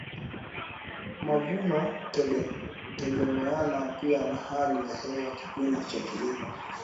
mavuno kutegemeana pia na hali ya hewa kipindi cha kilimo